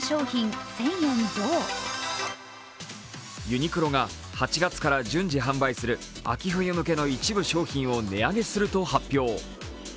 ユニクロが８月から順次販売する秋冬向けの一部商品を値上げすると発表。